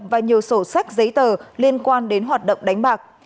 và nhiều sổ sách giấy tờ liên quan đến hoạt động đánh bạc